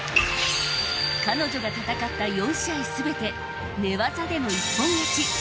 彼女が戦った４試合全て寝技での一本勝ち。